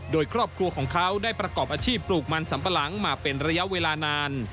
โดยครอบครัวของเขาได้ประกอบอาชีพปลูกมันสัมปะหลังมาเป็นระยะเวลานาน